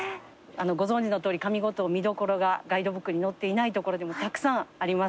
ご存じのとおり上五島見どころがガイドブックに載っていない所でもたくさんあります。